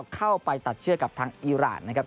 เข้าไปตัดเชือกกับทางอีรานนะครับ